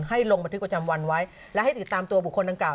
ลงบันทึกประจำวันไว้และให้ติดตามตัวบุคคลดังกล่า